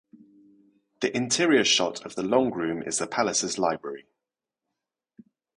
The interior shot of the long room is the palace's library.